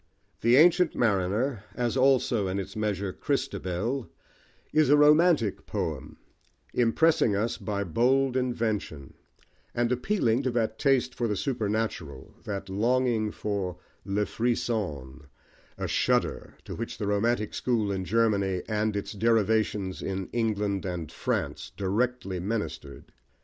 The Ancient Mariner, as also, in its measure, Christabel, is a "romantic" poem, impressing us by bold invention, and appealing to that taste for the supernatural, that longing for le frisson, a shudder, to which the "romantic" school in Germany, and its derivations in England and France, directly ministered.